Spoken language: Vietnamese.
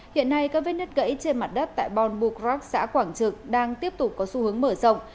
hiện nay các vết nứt gãy trên mặt đất tại bon bucrac xã quảng trực đang tiếp tục có xu hướng mở rộng